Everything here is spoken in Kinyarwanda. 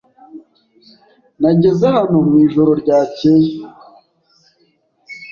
Nageze hano mwijoro ryakeye.